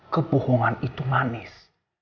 kebohongan itu manis